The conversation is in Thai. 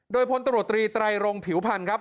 โดยพลตำรวจตรีไตรรงผิวพันธ์ครับ